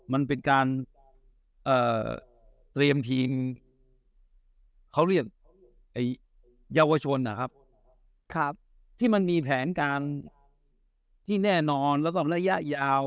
มันเป็นการเตรียมทีมเขาเรียกเยาวชนนะครับที่มันมีแผนการที่แน่นอนแล้วก็ระยะยาว